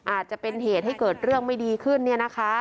อาจจะเป็นเหตุให้เกิดเรื่องไม่ดีขึ้น